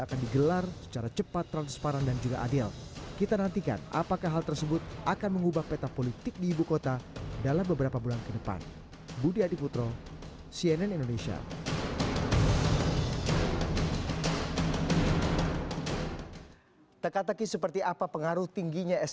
kalau menurut anda mesin partai ikut berkontribusi nggak